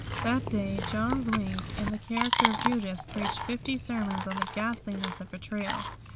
That day, John Zwink, in the character of Judas, preached fifty sermons on the ghastliness of betrayal.